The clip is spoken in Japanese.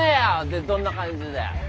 でどんな感じだよ？